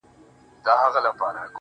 دا رکم ـ رکم در پسې ژاړي~